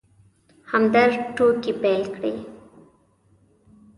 همدرد ټوکې پيل کړې.